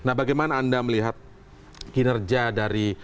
nah bagaimana anda melihat kinerja dari